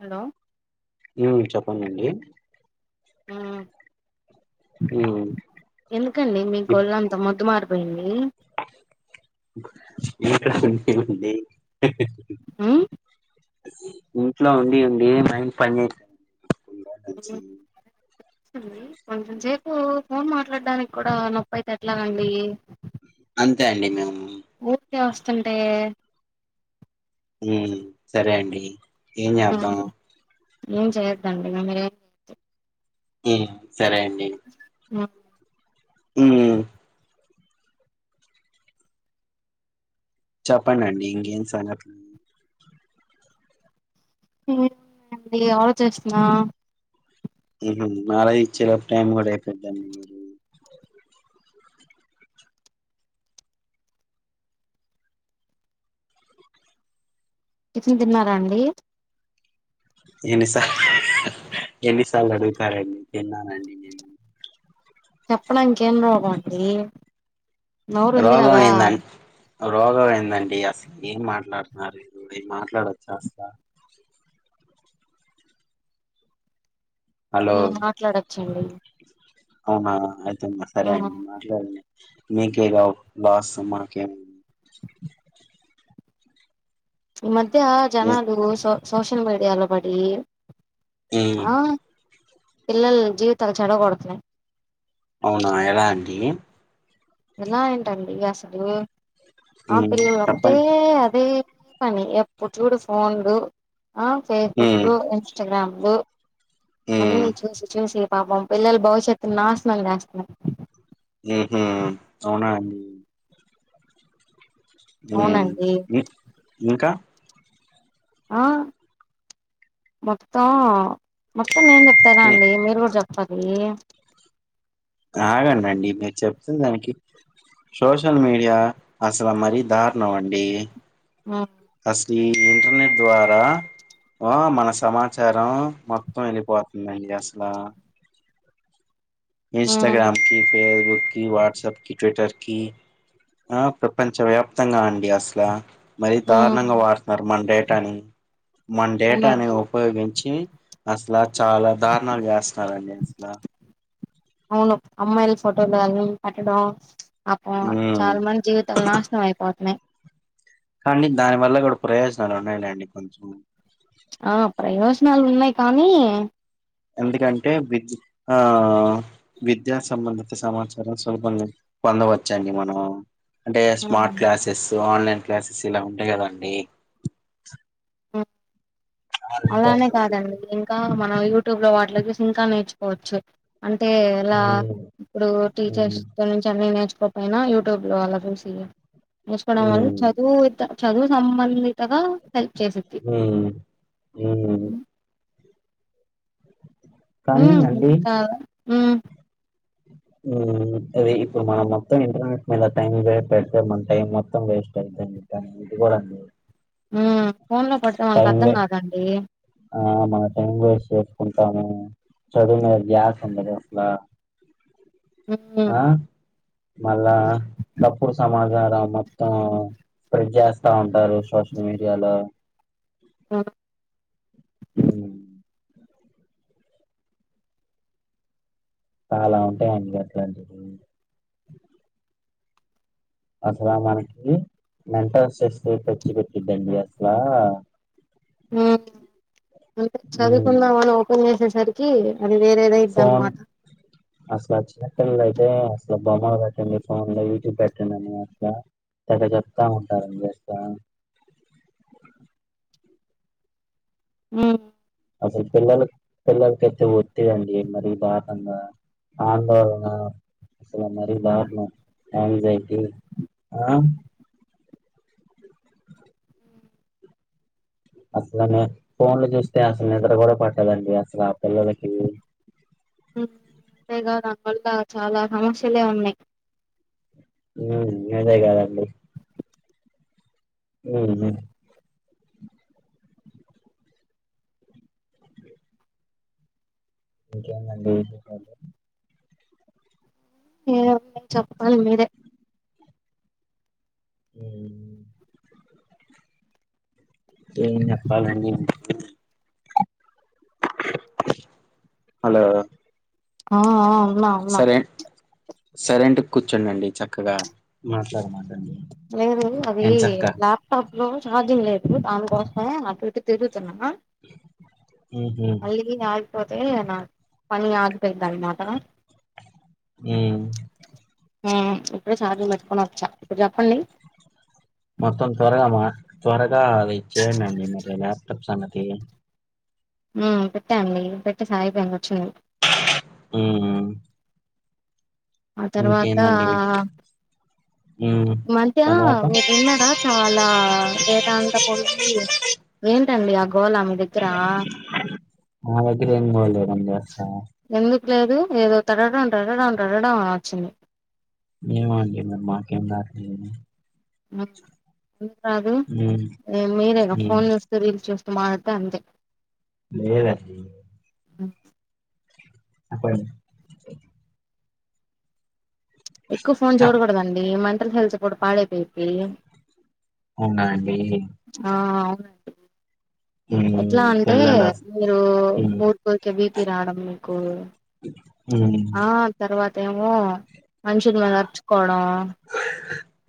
Hello మ్ చెప్పండండి మ్ ఉమ్ ఎందుకండి మీకు వొళ్ళంతా మొద్దు మారిపోయింది ఏకాఖ ఉంది ఇహహ్ ఉమ్ ఇంట్లో ఉండి ఉండి మైండ్ పని చెయట్ల [inaudible] కొంచెంసేపు ఫో ఫోన్ మాట్లాడడానికి కూడా నొప్పి అయితే ఎట్లాగండి అంతే అండి మేము మ్మ్ తే వస్తుంటే అమ్ సరే అండి ఉమ్, ఏంచేదాం ఏం చేద్దం ఇగ [inaudible] మ్మ్ సరే అండి మా మ్మ్ చేపడండి ఇంకేం సంగతులు ఏమున్నాయండి ఆలోచిస్తనా మ్ హు ఆలోచించే లోపు టైం కూడా అయిపొయిద్దండి మరి టీఫెన్ తిన్నారా అండి ఎన్నిసా ఎన్నిసార్లు అడుగుతారండి తిన్నానండి నేను చెప్పడాంకేం రోగం అండి రోగం అయింద్ నాకు రోగం ఏందండి అసలు ఏం మాట్లాడుతున్నారు మీరు అయి మాట్లాడొచ్చా అసల హలో మ్మ్ మాట్లాడు ఛలీ అవునా ఐ అమ్ సరే అండి మాట్లాడనులే నీకే రావ్ లాస్ మాకేమున్ ఓ టే ఆ ఉమ్ జనాలు సో సోషల్ మీడియాల బడి మ్మ్ పిల్లల జీవితాలు చెడ కొడతునయి అవునా ఎలా అండి ఎలా ఏంటండి అసలు అం ఉమ్ పిల్లలకపోతే చెప్పండి అదే దే పని ఎప్పుడు చూడు ఫోన్లు ఆ ఫేస్బుక్ ఉమ్ లో ఇన్స్టాగ్రామ్ ఓ ఉమ్ అన్నీ చూసి చూసి పాపం పిల్లలు భవిష్యత్తు నాశనం చేస్తున్నారు ఉహు అవునా అండి అవునండి ఉహ్ ఇంకా ఆ మొత్తం నేను చెప్తారా అండి మీరు కూడా చెప్ పదే ఆగండి అండి మీరు చెప్తున్న దానికి సోషల్ మీడియా అసలు మరీ దారు న్నామండి ఉమ్ అస్ ఈ ఇంటర్నెట్ ద్వారా ఆ మన సమాచార [unintelligible] మొత్తం ఏలిపోత్ మేమ్సేస్తల్ల ఉమ్ ఇన్స్టాగ్రామ్ కి ఫేస్బుక్ కి వాట్సప్ కి టట్విటర్కి కి ఆ ప్రపంచ వ్యాప్తంగా అండి అసలా మరి ఉమ్ దారుణంగా వాడుతున్నారు మండే కానీ మన డేటాని అవునండి ఉపయోగించి అసల చాలా దారుణాలు చేస్తున్నారు అండి అసల అవును అమ్మాయిలు ఫోటోలు గని పట్టడం అపం ఉమ్ చాలా మంది జీవితాలు నాశనం అయిపోతున్నాయి కానీ దాని వల్ల కూడా ప్రయోజనాలు ఉన్నాయిలేండి కొంచెం ఆ ప్రయోజ నాలు ఉన్నాయి కానీ ఎందుకంటే విద్య ఆ విద్యా సంబంధిత సమాచారం సులభంగా పొందవచ్చ అండి మనము అంటే స్మార్ట్ ఉమ్ క్లాసెస్ ఆన్లైన్ క్లాసెస్ ఇలా ఉంటాయి కదా అండి ఆ అలానే కాదండి ఇంకా మనం యూట్యూబ్ లో వా ఇళ్ళనీ చూసి ఇంకా నేర్చుకోవచ్చు అంటే ఎలా ఉమ్ ఇప్పుడు ఉమ్ టీచర్స్ తో నుంచి అన్నీ నేర్చు పైన యూట్యూబ్ లో అలా చూసెయ్యి చూసుకోవడం వళ్ళ ఉమ్ చదువు చదువు సంబంధి కదా హెల్ప్ చేసిద్ది ఊ ఊ కానీ కదా ఊ హ్మ్మ్ అది ఇప్పుడు మనం మొత్తం ఇంటర్నెట్ మీద టైం పెడితే మన టైం మొత్తం వేస్ట్ అయిద్దండి కానీ ఇది కూడా. మ్మ్ ఫోన్ లో పడితే వాళ్కి అర్థం కాదండి ఆ మనం టైం వేస్ట్ చేసుకుంటాము చదువు మీద ద్యాసుండదు అసలా మ్మ్ మళ్ళా తప్పుడు సమాజాలు [unintelligible] మొత్తం స్పీడ్ జెస్ వస్తా ఉంటారు సోషల్ మీడియాలో మ్మ్ మ్మ్ చాలా ఉంటాయి అండి అట్లాంటివి అసలా మనకి మెంటల్ స్ట్రెస్ తెచ్చి పెట్టిద్దండి అసలు ఆ మ్మ్ అంటే హ్మ్. చదువుకుందామ అని ఓపెన్ చేసి సరికి అది వేరేదైద్ది అన్నమాట పిల్లలు అయితే అసలు బొమ్మలు పెట్టండి ఫోన్ లో యూట్యూబ్ పెట్టండి అని అసలా తెగ చెప్తా ఉంటారండీ అసలా. మ్మ్ అసలు పిల్లలకి పిల్లలకైతే ఒత్తిడండి మరి దారుణంగా ఆందోళన అసలు మరీ దారుణం యాంగ్జైటీ ఆ అసలు ఫోన్లు చూస్తే అసలు నిద్ర కూడా పట్టదండి అసలా పిల్లలకి మ్మ్ అంతేకాదు దానివల్ల చాలా సమస్యలే ఉన్నాయి మ్మ్ అదే కదండి హ్మ్మ్ మ్మ్ ఇంకేందండీ విశేషాలు ఏం లేదు చెప్పాలి మీరే హ్మ్మ్ ఏం చెప్పాలండి హలో ఆ వా వా సరేంటే కూర్చోండి అండి చక్కగా మాట్లాడమాకండి లేదు అది ఎంచక్కా. ల్యాప్టాప్ లో చార్జింగ్ లేదు [unintelligible] అటు ఇటు తిరుగు తున్న మా హుహు. [unintelligible] పోతే నా పని ఆగిపోయిద్ది అన్న మాట హ్మ్మ్ హ్మ్మ్ ఇప్పుడే ఛార్జింగ్ పెట్టుకొని వచ్చా ఇప్పుడు చెప్పండి మొత్తం త్వరగామా త్వర కా అధిచ్చేయండండి మరి ల్యాప్టాప్ సంగత్ కే మ్మ్ పెట్టా అండి పెట్టేశాం ఐపోయింది వొచ్చింది మ్మ్ ఆ తర్వాత ఆ వి హ్మ్. ఈ మధ్య తర్వాత? మీరు విన్నారా చాలా డేటా అంతా పొంది ఏంటండి అగ్ మా దగ్గిరేం బోలేదన్ ఏం జేస్తా ఎందుకు లేదు ఏదో తడడాం టడడాం టడడాం అనొచ్చింది. మేమాగ్యం మరి మాకేం రాట్లేదు మక్ కు రాదు హ్మ్. ఇ మీరే గ హ్మ్. ఫోన్ చూస్తే రీల్ చూస్ మాయత్త అంతే లేదండి అ అప్పడి ఎక్కువ ఫోన్ చెప్ చూడకూడదండి మంటల్ హెల్త్ గుడ పాడైపోయిద్ది అవునా అండి. ఆ ఉ అండి ఎట్లా హ్మ్. అంటే పిల్లలస్ మీరు హ్మ్. వూర్కూర్కె బీపీ రావడం మీకు హ్మ్. ఆ తర్వాత్ ఏమో మన్షుల్ మీదర్చుకోడం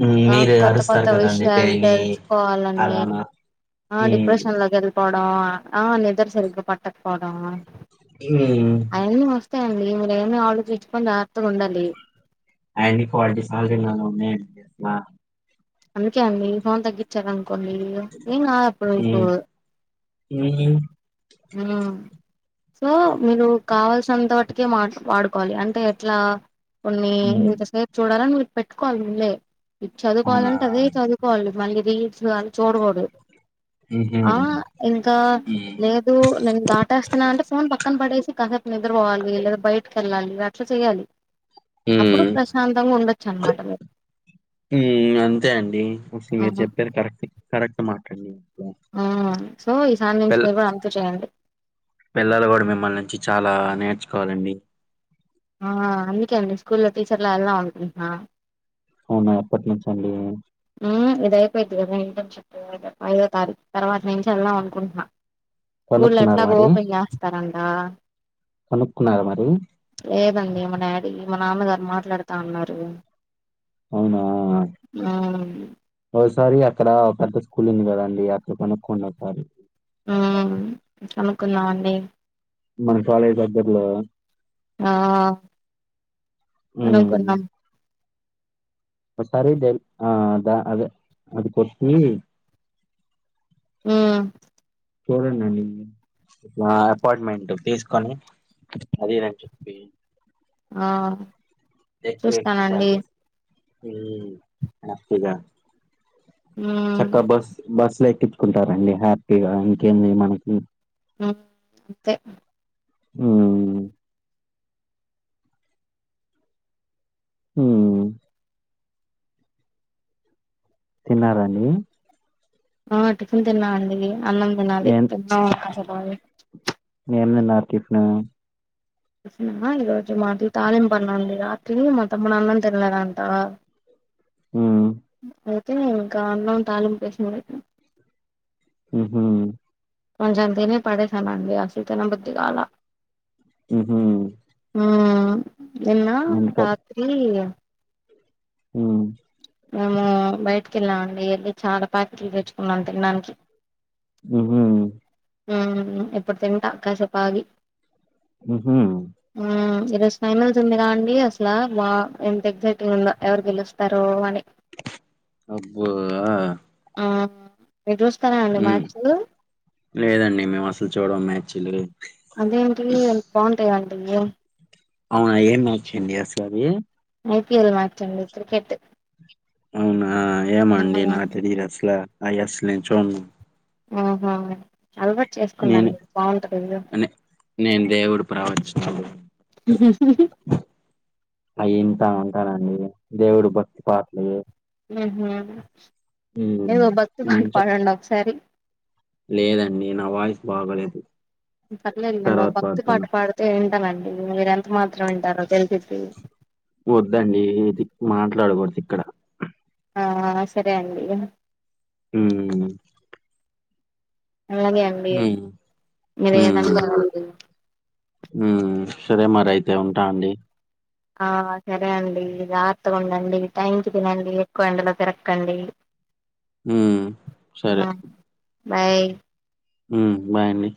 హ్మ్. ఆ మీరు కొత్త అరుస్తారు కొత్త కదండీ విషయాలు డైలీ తెలుసుకోవాలని అలానా. ఆ హ్మ్. డిప్రెషన్ లోకెళ్ పోడం ఆ నిదర్ సరిగ్గా పట్టక పోడం మ్మ్మ్మ్ త మండి మ ప్పుడయన్ ఆలోచిచ్చుకోన్ జార్తగుండాలి అయన్ని కాల్ జేస్ సహజంగానే ఉన్నాయన్ దిస్లా అందుకే అండీ ఫోన్ తగ్గించారన్ కొన్ని నీ నా [unintelligible] మ్మ్ మ్మ్ సో మిరు కావాల్సినంత మటికే మాట్ వాడుకోవాలి అంటే ఎట్లా కొన్ని హ్మ్. ఇంతసేప్ చూడాలని విల్ పెట్టుకోవాలి ముందే ది అవునా? చదువుకోవాలంటే అదే చదువుకోవాలి మళ్ళి ది అని చూడకూడదు హుహు. ఆ ఇంకా హ్మ్. లే కు నేను దాటేస్తున్నా అంటే ఫోన్ పక్కన పడేసి కసేపు నిద్రపోవాలి లేదా బయటకి వెళ్ళాలి అట్లా చేయాలి ఊ అప్పుడు ప్రశాంతంగా ఉండొచ్చు అనమాట మీరు అంతే అండి మీరు ఆహా, చెప్పారు కరెక్ట్ కరెక్ట్ మాట కన్ని ఆ సో ఈ సారి నుంచి మీరు కూడా అంతే చేయండి పిల్లలు కూడా మిమ్మల్ నుంచి చాలా నేర్చుకోవాలండి ఆ అందుకే అండి స్కూల్లో టీచర్ లా ఎలదాం అనుకుంటున్నా అవునా ఎప్పటి నుంచండి హ్మ్ ఇదయిపోయిద్ది కదా ఇంటర్న్షిప్ ఐదో తారీఖు తర్వాత నుంచి యేళ్దాం అనుకుంటున్నా స్కూల్లో కనుక్కున్నారా ఎట్లాగ మరి? ఓపెన్ చేస్తారంట కనుక్కున్నారా మరి? ఎపు దండి మా డాడీ మా నాన్నగారు మాట్లాడుతా అన్నారు అవునా ఓసారి అక్కడ ఒక స్కూల్ంది కదండి యాత్ర కనుక్కొని ఒకసారి కనుకున్నాం అండి మన కాలేజ్ దగ్గర్లో ఆ హ్మ్. కనుకున్నాం ఒకసారి డైల్ ఆ అదా అదే అది కొట్టి ఊ చూడండండి మా అపాయింట్మెంట్ తీసుకొని అదిదని చెప్పి ఆ ఎకు ఎకు చూస్తానండి సాలరీస్ ఊ హ్యాపీగా ఉమ్ చక్కగా బస్ బస్ లో ఎక్కి టారండి హ్యాపీగా ఇంకేంది మనకి అంతే ఊ ఊ తిన్నారండి ఆ టిఫిన్ తిన్నా అండి అన్నం తినాలి ఏం తిందాం కాసేపాగి ఏం తిన్నారు టిఫిన్ ఈరోజు మాది తాలింప్పన్నం రాత్రి మా తమ్ముడు అన్నం తినలేదంట ఉమ్ అ ఇంకా అన్నం తాలింపు వేసినాగూడ ఉహు కొంజం తిని పడేసానండి అస్సలు తినబుద్ధిగాల మ్మ్ హ్ ఆ నిన్న రాత్రి ఇగ మ్మ్ మేము బయటికి వెళ్ళామ అండి వెళ్ళి చాలా ప్యాకెట్లు తెచ్చుకున్నాం తినడానికి ఉహు ఆ ఇప్పుడు తింటా కాసేపాగి ఉహు రోజ్ ఫైనల్ జూల్లే కానీ అస్సలా మా ఎంత ఎగ్జైట్ గా ఉందో ఎవరు గెలుస్తారో అని అబ్బో హా ఆ మ్మ్ లేదండి మేము అస్సలు చూడమ్ చిల్లరిన్ ఇదో అవునా ఏం మార్చయండి అసలది ఐపీఎల్ మ్యాచ్ అండి క్రికెట్ అవునా ఏమండి నా మ్మ్ తెలీదు అసలు అయస్లు నే చూడను ఆహా అలవాటు నేను చేసుకున్నాండి బాగుంటది ఇగ నే నేను దేవుడు ప్రవచనాలు అయంతా ఉంటానండి దేవుడు భక్తి పాటలు అహ్హ్ ప్చ్ మ్మ్ మంచిగ ఒకసారి లేదండి నా వాయిస్ బాగా లేదు పర్లేదులేండి ఓ భక్తి పాట పాడితే తనండి మీర ఎంత మాత్రం వింటారో తెలిసిద్ది వద్దండి ఇది మాట్లాడకూడదు ఇక్కడ ఆ సరే అండి హ్మ్ అలాగే అండి హ్మ్. మీరు ఏదన్నా ఆ సరే మరి అయితే ఉంటా అండి ఆ సరే అండి జాగత్తగా ఉండండి టైంకి తినండి ఎక్కువ ఎండలో తిరక్కండి హ సరే బాయ్ హుమ్ బాయండి